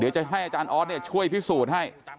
เดี๋ยวจะให้อาจารย์ออสช่วยพิสูจน์ให้